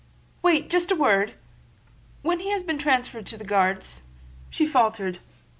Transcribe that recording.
"Wait—just a word! When he has been transferred to the Guards..." she faltered.